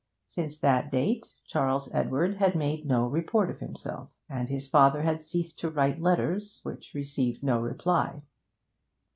Since that date Charles Edward had made no report of himself, and his father had ceased to write letters which received no reply.